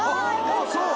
ああそう！